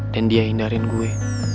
dan dia hindarin gue